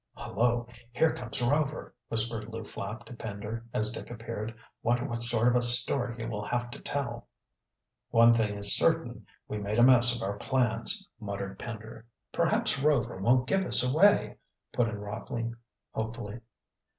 "Hullo, here comes Rover!" whispered Lew Flapp to Pender, as Dick appeared. "Wonder what sort of a story he will have to tell?" "One thing is certain, we made a mess of our plans," muttered Pender. "Perhaps Rover won't give us away," put in Rockley hopefully.